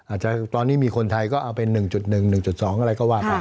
อาจจะตอนนี้มีคนไทยก็เอาเป็น๑๑๑๒อะไรก็ว่าไป